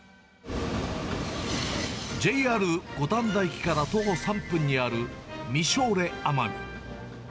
ＪＲ五反田駅から徒歩３分にある、みしょーれ奄美。